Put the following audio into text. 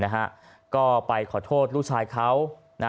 นะฮะก็ไปขอโทษลูกชายเขานะฮะ